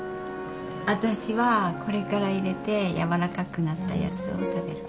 あたしはこれから入れて軟らかくなったやつを食べるから。